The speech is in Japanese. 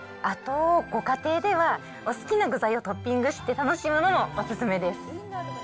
あとご家庭では、お好きな具材をトッピングして楽しむのもお勧めです。